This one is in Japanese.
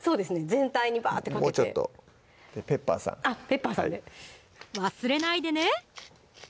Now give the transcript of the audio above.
全体にばーってかけてもうちょっとペッパーさんあっペッパーさん忘れないでね！